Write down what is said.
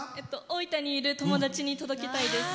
大分にいる友達に届けたいです。